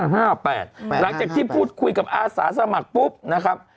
หลังจากที่พูดคุยกับอาสาสมัครปุ๊บนะครับ